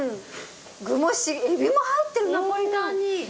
具もエビも入ってるナポリタンに。